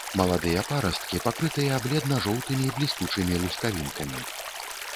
Маладыя парасткі пакрытыя бледна-жоўтымі, бліскучымі лускавінкамі.